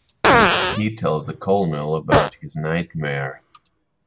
He tells the Colonel about his nightmare.